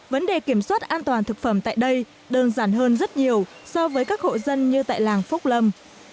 vấn đề kiểm soát an toàn thực phẩm tại đây đơn giản hơn rất nhiều so với các hộ dân như tại làng phúc lâm